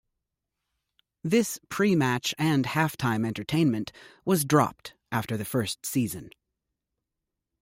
This pre-match and half-time entertainment was dropped after the first season.